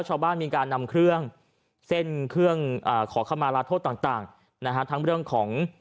ชาวบ้านมีการนำเครื่องเส้นเครื่องขอเข้ามาลาโทษต่างนะฮะทั้งเรื่องของ